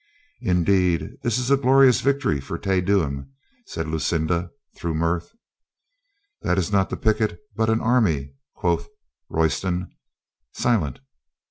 "Indeed, this is a glorious victory for a Te Deum," said Lucinda through mirth. "That is not the picket, but an army," quoth Roy ston. "Silent!"